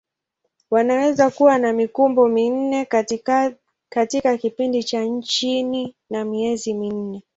Wanaweza kuwa na mikumbo minne katika kipindi cha chini ya miezi minne.